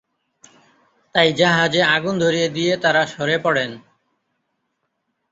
তাই জাহাজে আগুন ধরিয়ে দিয়ে তারা সরে পড়েন।